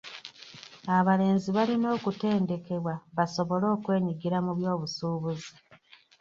Abalenzi balina okutendekebwa basobole okwenyigira mu by'obusuubuzi.